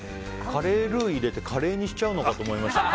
カレールーを入れてカレーにしちゃうのかと思いました。